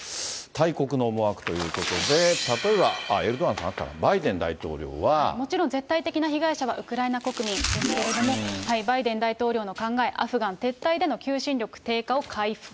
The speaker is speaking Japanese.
大国の思惑ということで、例えば、エルドアンさんあったか、バイデもちろん絶対的な被害者はウクライナ国民ですけれども、バイデン大統領の考え、アフガン撤退での求心力低下を回復。